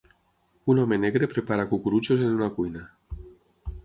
Un home negre prepara cucurutxos en una cuina